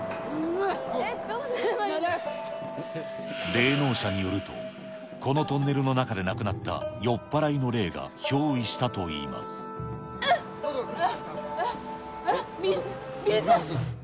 霊能者によると、このトンネルの中で亡くなった酔っ払いの霊がひょういしたといい水、水。